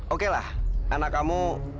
oke lah anak kamu